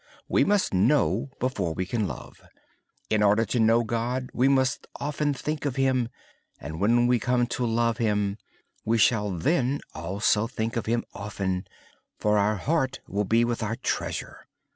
We must know before we can love. In order to know God, we must often think of Him. And when we come to love Him, we shall then also think of Him often, for our heart will be with our treasure.